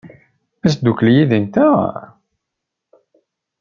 Ad teddukel yid-nteɣ?